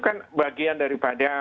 kan bagian daripada